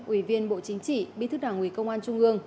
ủy viên bộ chính trị bí thư đảng ủy công an trung ương